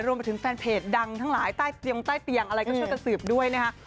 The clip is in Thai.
รวมไปถึงแฟนเพจดังทั้งหลายใต้เตียงใต้เตียงอะไรก็ช่วยกันสืบด้วยนะคะ